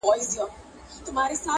او د چڼچڼو شورماشور کي به د زرکو آواز-